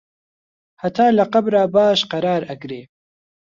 هەتا لە قەبرا باش قەرار ئەگرێ